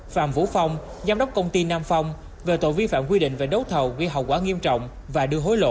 phạm vũ phong giám đốc công ty nam phong về tội vi phạm quy định về đấu thầu gây hậu quả nghiêm trọng và đưa hối lộ